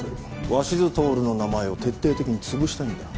鷲津亨の名前を徹底的に潰したいんだ。